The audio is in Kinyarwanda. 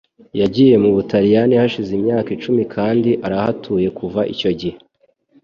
Yagiye mu Butaliyani hashize imyaka icumi kandi arahatuye kuva icyo gihe.